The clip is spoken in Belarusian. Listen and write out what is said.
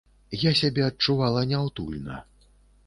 Я сябе адчувала няўтульна.